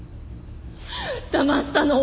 だましたの？